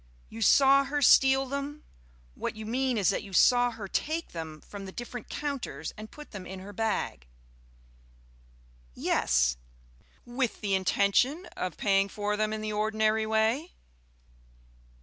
"You saw her steal them? What you mean is that you saw her take them from the different counters and put them in her bag?" "Yes." "With the intention of paying for them in the ordinary way?"